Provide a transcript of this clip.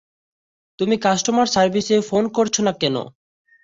তুমি কাস্টমার সারভিসে ফোন করছ না কেন?